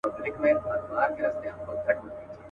هغه ښار هغه مالت دی مېني تشي له سړیو.